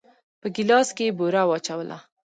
په ګيلاس کې يې بوره واچوله.